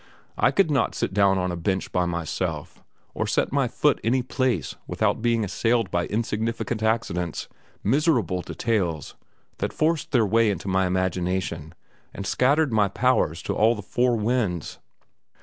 I could not sit down on a bench by myself or set my foot any place without being assailed by insignificant accidents, miserable details, that forced their way into my imagination and scattered my powers to all the four winds.